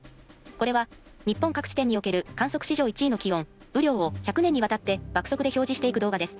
これは日本各地点における観測史上１位の気温・雨量を１００年にわたって爆速で表示していく動画です。